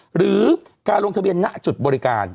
หรือการลงทะเบียนณจุดบริการ